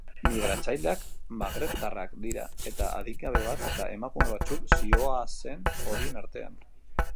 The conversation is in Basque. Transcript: Migratzaileak magrebtarrak dira, eta adingabe bat eta emakume batzuk zihoazen horien artean.